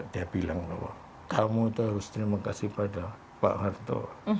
dia bilang bahwa kamu itu harus terima kasih pada pak harto